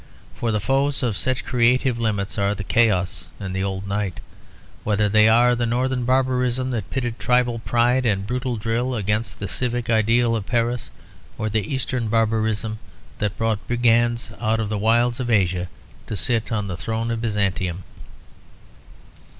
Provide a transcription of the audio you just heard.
For the foes of such creative limits are chaos and old night, whether they are the Northern barbarism that pitted tribal pride and brutal drill against the civic ideal of Paris, or the Eastern barbarism that brought brigands out of the wilds of Asia to sit on the throne of Byzantium.